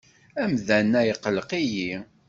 Amdan-a iqelleq-iyi.